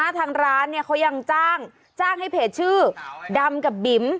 ทางร้านเขายังจ้างให้เพจชื่อดำกับบิ๋ม